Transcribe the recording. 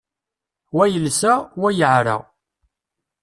Wa yelsa, wa yeεra.